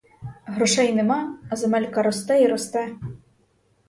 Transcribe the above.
Грошей нема, а земелька росте й росте!